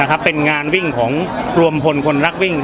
นะครับเป็นงานวิ่งของแล้วนะครับเป็นงานวิ่งถูก